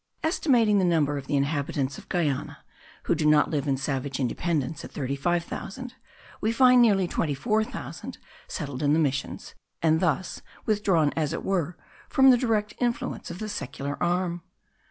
Estimating the number of the inhabitants of Guiana, who do not live in savage independence, at thirty five thousand, we find nearly twenty four thousand settled in the missions, and thus withdrawn as it were from the direct influence of the secular arm.